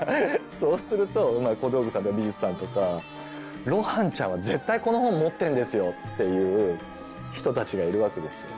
そうすると小道具さんとか美術さんとか「露伴ちゃんは絶対この本持ってんですよ！」っていう人たちがいるわけですよ。